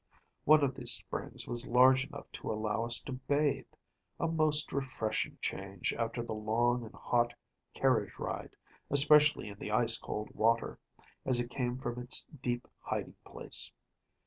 One of these springs was large enough to allow us to bathe‚ÄĒa most refreshing change after the long and hot carriage drive, especially in the ice cold water, as it came from its deep hiding place.